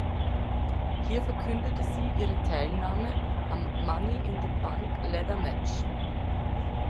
Hier verkündete sie ihre Teilnahme am Money in the Bank Ladder Match.